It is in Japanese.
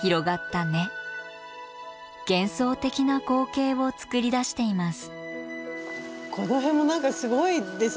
幻想的な光景をつくり出しています。